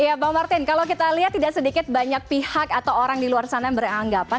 ya bang martin kalau kita lihat tidak sedikit banyak pihak atau orang di luar sana yang beranggapan